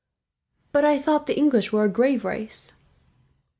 "But I thought the English were a grave race."